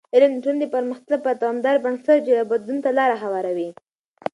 علم د ټولنې د پرمختګ لپاره دوامدار بنسټ جوړوي او بدلون ته لاره هواروي.